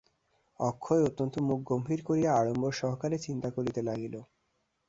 অক্ষয় অত্যন্ত মুখ গম্ভীর করিয়া আড়ম্বর-সহকারে চিন্তা করিতে লাগিল।